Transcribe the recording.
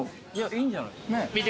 いいんじゃない？